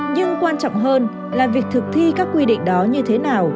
nhưng quan trọng hơn là việc thực thi các quy định đó như thế nào